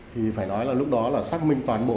thì phải nói là lúc đó là xác minh toàn bộ